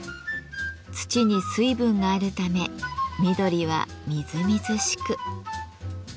土に水分があるため緑はみずみずしく。